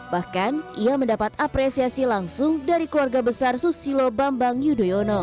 bahkan ia mendapat apresiasi langsung dari keluarga besar susilo bambang yudhoyono